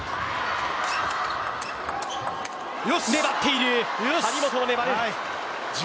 粘っている、張本も粘る。